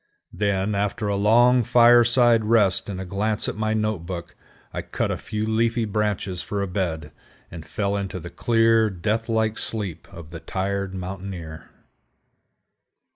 Then, after a long fireside rest and a glance at my note book, I cut a few leafy branches for a bed, and fell into the clear, death like sleep of the tired mountaineer.